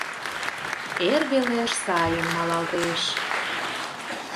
Эр велеш сайын малалтеш!